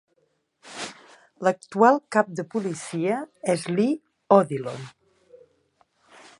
L'actual cap de policia és Lee O'Dillon.